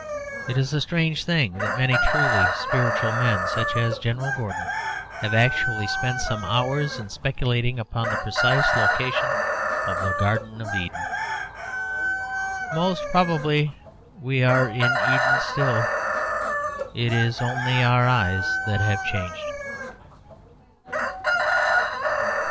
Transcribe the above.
It is a strange thing that many truly spiritual men, such as General Gordon, have actually spent some hours in speculating upon the precise location of the Garden of Eden. Most probably we are in Eden still. It is only our eyes that have changed.